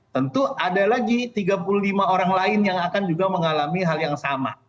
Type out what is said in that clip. tentu ada lagi tiga puluh lima orang lain yang akan juga mengalami hal yang sama